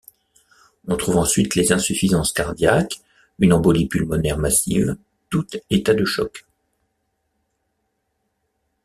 On trouve ensuite les insuffisances cardiaques, une embolie pulmonaire massive, tout état de choc.